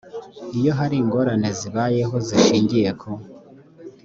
iyo hari ingorane zibayeho zishingiye ku